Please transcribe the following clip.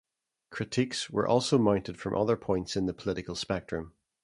Critiques were also mounted from other points in the political spectrum.